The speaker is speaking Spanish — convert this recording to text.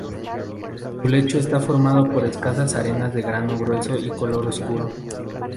Su lecho está formado por escasas arenas de grano grueso y color oscuro.